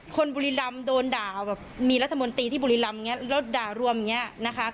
บุรีรำโดนด่าแบบมีรัฐมนตรีที่บุรีรำอย่างนี้แล้วด่ารวมอย่างเงี้ยนะคะ